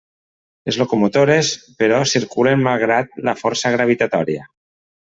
Les locomotores, però, circulen malgrat la força gravitatòria.